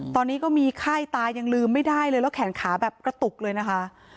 ตอนนี้ก็มีไข้ตายังลืมไม่ได้เลยแล้วแขนขาแบบกระตุกเลยนะคะ